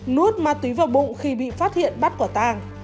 nút ma túy vào bụng khi bị phát hiện bắt quả tàng